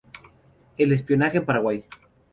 El espionaje en Paraguay.